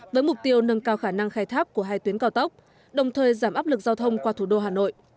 với mục tiêu nâng cao khả năng khai tháp của hai tuyến cao tốc đồng thời giảm áp lực giao thông qua thủ đô hà nội